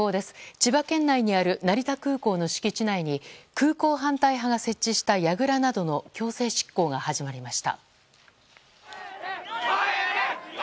千葉県内にある成田空港の敷地内に空港反対派が設置したやぐらなどの強制執行が始まりました。